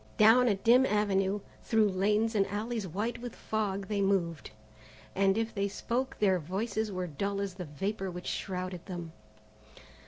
Down a dim avenue, through lanes and alleys white with fog, they moved, and if they spoke their voices were dull as the vapour which shrouded them.